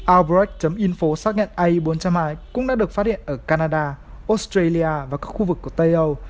albrecht info xác nhận i bốn hai cũng đã được phát hiện ở canada australia và các khu vực của tây âu